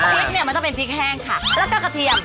พริกเนี่ยมันต้องเป็นพริกแห้งค่ะแล้วก็กระเทียม